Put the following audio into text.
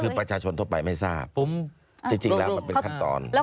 คือประชาชนทั่วไปไม่ทราบจริงแล้วมันเป็นขั้นตอน